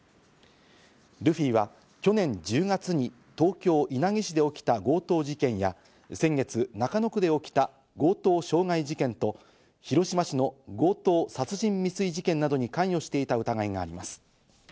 ルフィは去年１０月に東京・稲城市で起きた強盗事件や、先月、中野区で起きた強盗傷害事件と広島市の強盗殺人未遂事件などに関与していた疑いがあります。